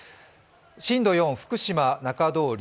震度４、福島中通り